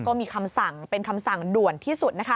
ก็มีคำสั่งเป็นคำสั่งด่วนที่สุดนะคะ